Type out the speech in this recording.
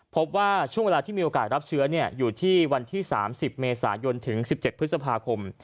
พบว่าช่วงเวลาที่มีโอกาสรับเชื้ออยู่ที่วันที่๓๐เมษายนถึง๑๗พฤษภาคม